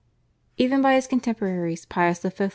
Even by his contemporaries Pius V.